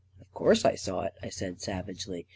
" Of course I saw it," I said savagely.